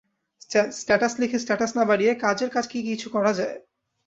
Status লিখে status না বাড়িয়ে কাজের কাজ কি কিছু করা যায়?